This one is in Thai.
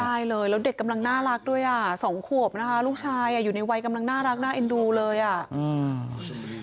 ใช่เลยแล้วเด็กกำลังน่ารักด้วยอ่ะสองขวบนะคะลูกชายอ่ะอยู่ในวัยกำลังน่ารักน่าเอ็นดูเลยอ่ะอืม